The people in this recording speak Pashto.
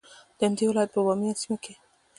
د همدې ولایت په بایان سیمه کې